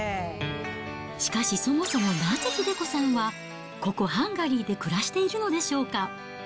しかしそもそもなぜ英子さんは、ここ、ハンガリーで暮らしているのでしょうか。